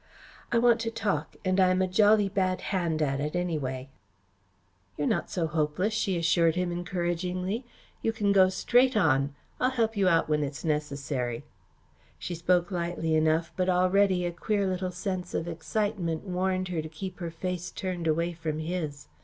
"I want to talk and I'm a jolly bad hand at it, anyway." "You're not so hopeless," she assured him encouragingly. "You can go straight on. I'll help you out when it's necessary." She spoke lightly enough but already a queer little sense of excitement warned her to keep her face turned away from his.